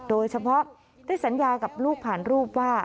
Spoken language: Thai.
โดยเฉพาะได้สัญญากับลูกผ่านรูปว่า